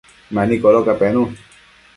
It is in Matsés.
mani codoca penun